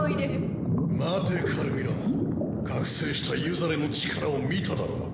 待てカルミラ覚醒したユザレの力を見ただろう？